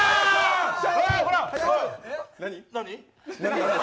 何？